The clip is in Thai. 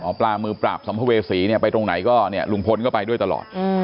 หมอปลามือปราบสมพเวศรีไปตรงไหนก็ลุงพลก็ไปด้วยตลอด